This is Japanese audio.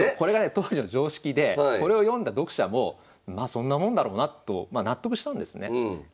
当時の常識でこれを読んだ読者もまあそんなもんだろうなと納得したんですね。